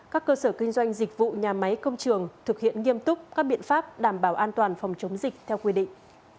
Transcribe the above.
các cơ sở kinh doanh dịch vụ nhà máy công trường thực hiện nghiêm túc các biện pháp đảm bảo an toàn phòng chống dịch theo quy định